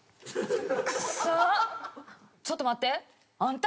「ちょっと待って」